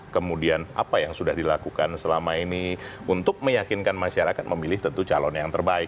kemudian apa yang sudah dilakukan selama ini untuk meyakinkan masyarakat memilih tentu calon yang terbaik